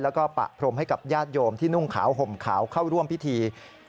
แล้วก็ปะพรมให้กับญาติโยมที่นุ่งขาวห่มขาวเข้าร่วมพิธี